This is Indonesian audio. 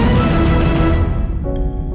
mereka gak jadi cerai ya